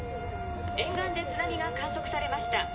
沿岸で津波が観測されました。